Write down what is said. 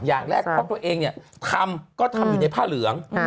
อย่างแรกเพราะตัวเองเนี่ยทำก็ทำอยู่ในผ้าเหลือง